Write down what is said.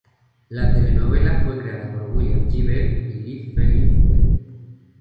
La telenovela fue creada por William J. Bell y Lee Phillip Bell.